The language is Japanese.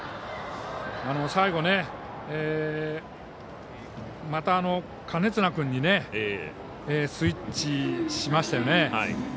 最後、また金綱君にスイッチしましたよね。